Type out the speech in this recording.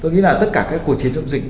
tôi nghĩ là tất cả các cuộc chiến chống dịch